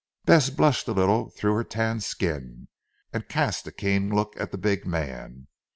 Bess blushed a little through her tanned skin, and cast a keen look at the big man.